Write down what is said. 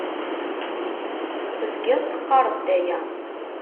Teẓgiḍ teqqareḍ-d aya.